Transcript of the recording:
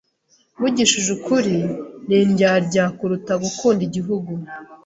Mvugishije ukuri, ni indyarya kuruta gukunda igihugu.